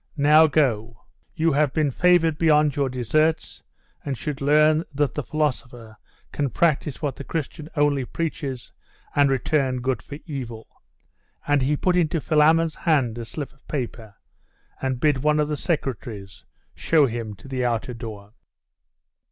Now go; you have been favoured beyond your deserts, and should learn that the philosopher can practise what the Christian only preaches, and return good for evil.' And he put into Philammon's hand a slip of paper, and bid one of the secretaries show him to the outer door.